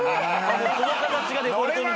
この形がデフォルトに。